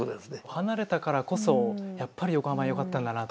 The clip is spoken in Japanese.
離れたからこそやっぱり横浜よかったんだなって。